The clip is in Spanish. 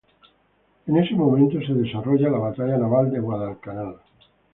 En ese momento se desarrollaba la Batalla naval de Guadalcanal.